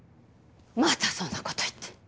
またそんな事言って。